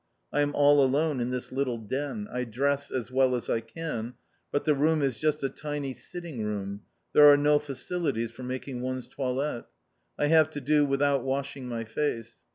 I am all alone in this little den. I dress as well as I can, but the room is just a tiny sitting room; there are no facilities for making one's toilette. I have to do without washing my face.